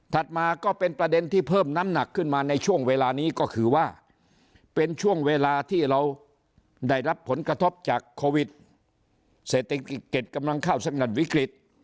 มาก็เป็นประเด็นที่เพิ่มน้ำหนักขึ้นมาในช่วงเวลานี้ก็คือว่าเป็นช่วงเวลาที่เราได้รับผลกระทบจากโควิดเศรษฐกิจเก็ตกำลังเข้าสงัดวิกฤต